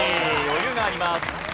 余裕があります。